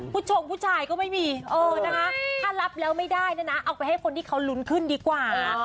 ผู้ชมผู้ชายก็ไม่มีถ้ารับแล้วไม่ได้นะเอาไปให้คนที่เขารุ้นขึ้นดีกว่า